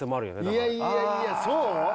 いやいやいやそう？